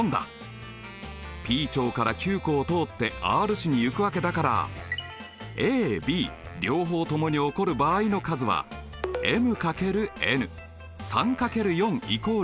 Ｐ町からＱ湖を通ってＲ市に行くわけだからＡＢ両方ともに起こる場合の数はｍ×ｎ